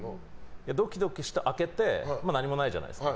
ドキドキして開けて何もないじゃないですか。